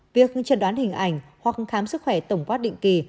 việc trần đoán hình ảnh hoặc khám sức khỏe tổng quát định kỳ